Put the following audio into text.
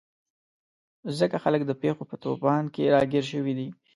ځکه خلک د پېښو په توپان کې راګیر شوي دي.